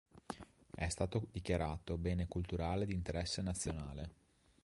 È stato dichiarato bene culturale di interesse nazionale.